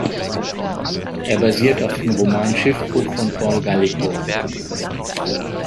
Er basiert auf dem Roman "Schiffbruch" von Paul Gallico.